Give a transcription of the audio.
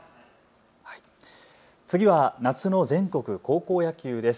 次は夏の全国高校野球です。